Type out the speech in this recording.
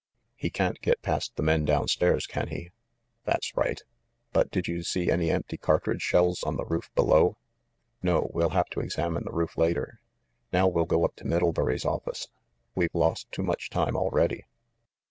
"He can't get past the men down stairs, can he?" "That's right. But did you see any empty cartridge shells on the roof below ?" "No. We'll have to examine the roof later. Now we'll go up to Middlebury's office. We've lost too much time already."